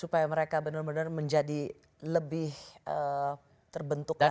supaya mereka benar benar menjadi lebih terbentuk